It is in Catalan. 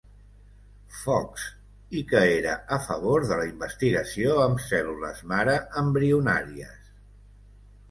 Fox, i que era a favor de la investigació amb cèl·lules mare embrionàries.